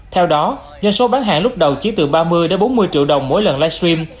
theo đó doanh số bán hàng lúc đầu chỉ từ ba mươi bốn mươi triệu đồng mỗi lần livestream